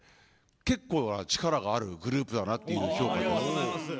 結構、力があるグループだなという評価です。